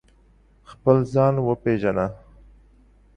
خپل ځان و پېژنه